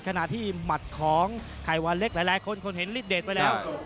ขณะที่หมาดของไขว้เล็กหลายคนเห็นลิดเดทไปแล้ว